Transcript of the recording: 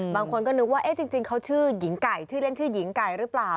บางคนก็นึกว่าจริงเขาชื่อหญิงไก่ชื่อเล่นชื่อหญิงไก่หรือเปล่า